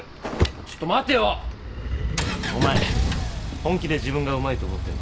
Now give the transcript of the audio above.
本気で自分がうまいと思ってんの？